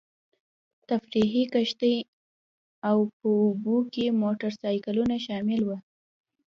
تفریحي کښتۍ او په اوبو کې موټرسایکلونه شامل وو.